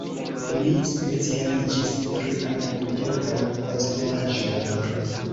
Li specialiĝis pri agrikulturaj konstruaĵoj.